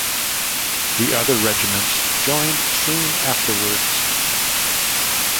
The other regiments joined soon afterwards.